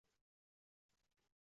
Ular yozib qoldirgan kitoblar